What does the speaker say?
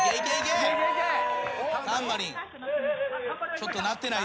ちょっと鳴ってない。